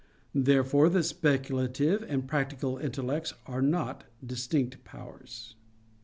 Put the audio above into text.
Therefore the speculative and practical intellects are not distinct powers.